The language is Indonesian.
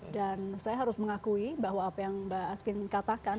dan saya harus mengakui bahwa apa yang mbak asfi katakan